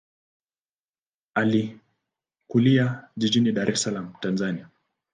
Alikulia jijini Dar es Salaam, Tanzania.